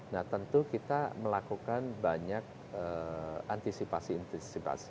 nah tentu kita melakukan banyak antisipasi antisipasi